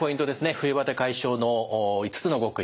冬バテ解消の５つの極意。